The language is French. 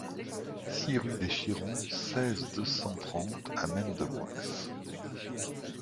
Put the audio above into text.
six rue des Chirons, seize, deux cent trente à Maine-de-Boixe